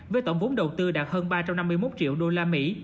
với tổng vốn đầu tư đạt hơn ba trăm năm mươi một triệu đô la mỹ